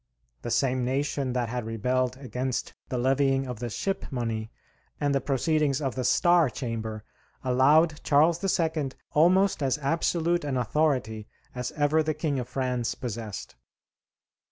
The same nation that had rebelled against the levying of the "ship money" and the proceedings of the Star Chamber allowed Charles II. almost as absolute an authority as ever the King of France possessed.